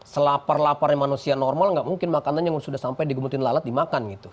selapar laparnya manusia normal gak mungkin makanannya sudah sampai digumutin lalat dimakan gitu